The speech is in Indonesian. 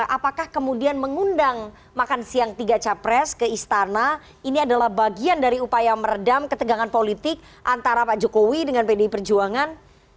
apakah kemudian mengundang makan siang tiga capres ke istana ini adalah bagian dari upaya meredam ketegangan politik antara pak jokowi dengan pdi perjuangan